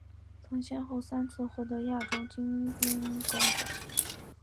曾先后三次获得亚洲金冰镐奖。